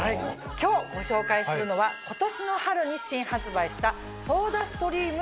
今日ご紹介するのは今年の春に新発売した。